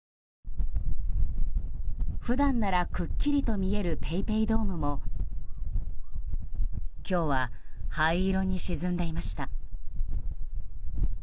普段ならくっきりと見えるＰａｙＰａｙドームも今日は灰色に沈んでいました。